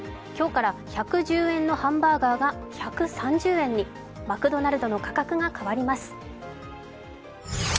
今日から１１０円のハンバーガーが１３０円に、マクドナルドの価格が変わります。